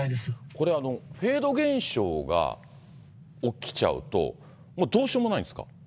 これ、フェード現象が起きちゃうと、もうどうしようもないんですか。